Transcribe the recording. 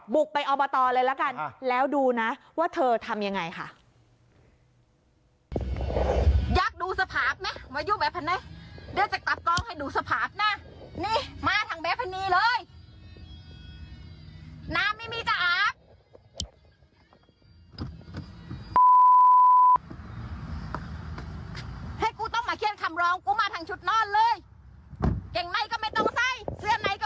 บุกไปอบตเลยละกันแล้วดูนะว่าเธอทำยังไงค่ะ